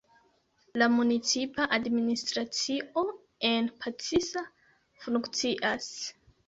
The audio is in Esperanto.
La municipa administracio en Pacsa funkcias.